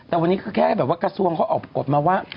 แต่วันนี้คือแค่แบบว่ากระทรวงเขาออกกฎมาว่า